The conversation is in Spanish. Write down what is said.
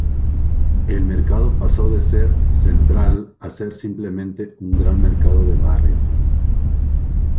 El mercado pasó de ser "Central" a ser simplemente un gran mercado de barrio.